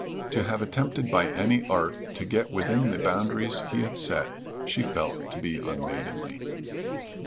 To have attempted by any art to get within the boundaries he had set she felt to be unmaidenly.